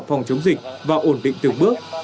phòng chống dịch và ổn định từng bước